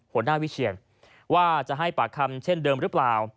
หัวหน้าวิเชียนว่าจะให้ปากคำเช่นเดิมหรือเปล่า